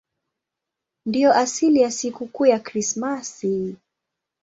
Ndiyo asili ya sikukuu ya Krismasi.